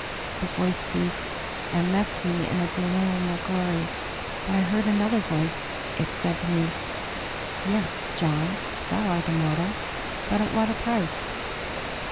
The voice ceased, and left me in the delirium of glory. But I heard another voice. It said to me, "Yes, John, thou art immortal. But at what a price?